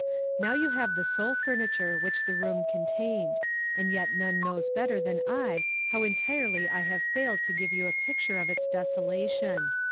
Now you have the sole furniture which the room contained, and yet none knows better than I how entirely I have failed to give you a picture of its desola tion.